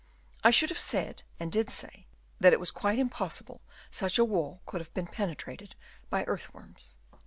I " should have said, and did say, that it was " quite impossible such a wall could have been " penetrated by earth worms."